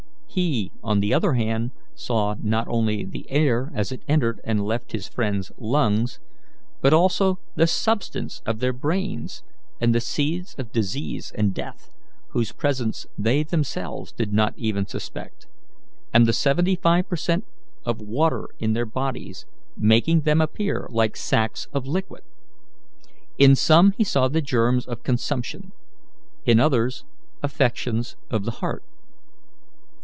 He, on the other hand, saw not only the air as it entered and left his friends' lungs, but also the substance of their brains, and the seeds of disease and death, whose presence they themselves did not even suspect, and the seventy five per cent of water in their bodies, making them appear like sacks of liquid. In some he saw the germs of consumption; in others, affections of the heart.